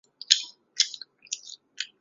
政府亦随即制定北投溪沿岸的禁采令。